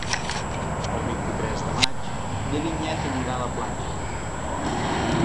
El vint-i-tres de maig na Vinyet anirà a la platja.